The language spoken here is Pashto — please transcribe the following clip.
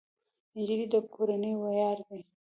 نجلۍ د کورنۍ ویاړ ده.